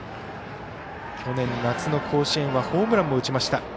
去年夏の甲子園はホームランも打ちました。